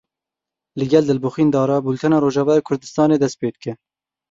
Li gel Dilbixwîn Dara Bultena Rojavayê Kurdistanê dest pê dike.